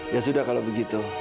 ya sudah kalau begitu